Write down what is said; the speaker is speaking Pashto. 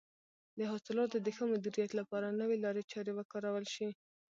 د حاصلاتو د ښه مدیریت لپاره نوې لارې چارې وکارول شي.